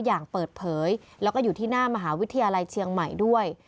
อย่างเปิดเผยแล้วก็อยู่ที่หน้ามหาวิทยาลัยเชียงใหม่ด้วย